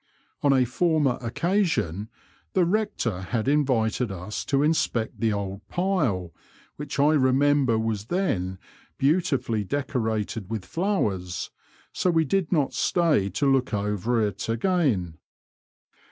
On a former occasion the Kector had invited us to inspect the old pile, which I remember was then beautiftdly decorated with flowers, so we did not stay to look over it again.